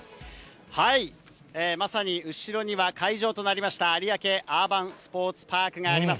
まさに後ろには、会場となりました有明アーバンスポーツパークがあります。